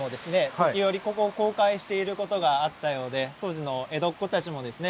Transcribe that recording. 時折ここを公開していることがあったようで当時の江戸っ子たちもですね